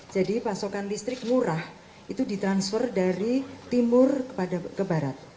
jadi pasokan listrik murah itu di transfer dari timur ke barat